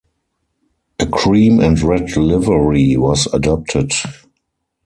A cream and red livery was adopted.